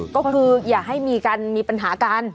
ก็คืออย่าให้มีกันมีปัญหากัน